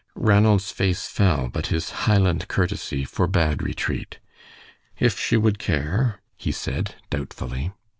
Ranald's face fell, but his Highland courtesy forbade retreat. "If she would care," he said, doubtfully.